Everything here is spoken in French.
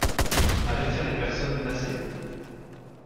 Avertir les personnes menacées?